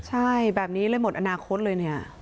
ใช่แบบนี้เลยหมดอนาคตเลยเนี่ย